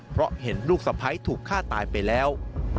เพราะเห็นลูกสะพ้ายถูกฆ่าตายไปแล้ว